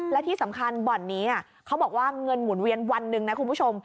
และที่สำคัญบ่อนนี้เขาบอกว่าเงินหมุนเวียนวันหนึ่งนะคุณผู้ชม